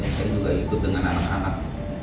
saya juga ikut dengan anak anak